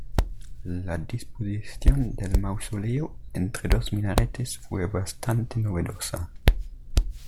La disposición del mausoleo entre dos minaretes fue bastante novedosa.